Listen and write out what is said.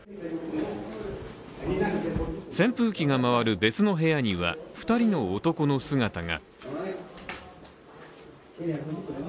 扇風機が回る別の部屋には２人の男の姿が。